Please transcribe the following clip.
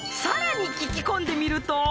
さらに聞き込んでみると。